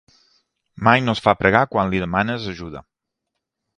Mai no es fa pregar quan li demanes ajuda.